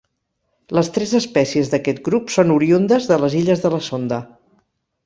Les tres espècies d'aquest grup són oriündes de les Illes de la Sonda.